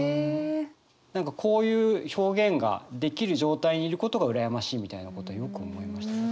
何かこういう表現ができる状態にいることが羨ましいみたいなことはよく思いましたね。